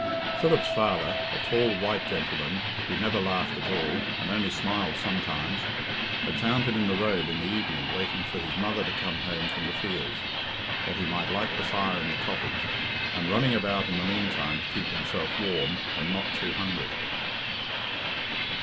Philip's father a tall, white gentleman, who never laughed at all, and only smiled sometimes had found him in the road in the evening waiting for his mother to come home from the fields, that he might light the fire in the cottage, and running about in the meantime to keep himself warm, and not too hungry.